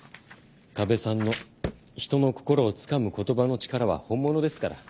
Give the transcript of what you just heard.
ＫＡＢＥさんの人の心をつかむ言葉の力は本物ですから。